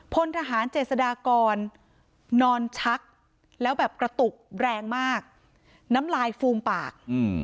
พลทหารเจษฎากรนอนชักแล้วแบบกระตุกแรงมากน้ำลายฟูมปากอืม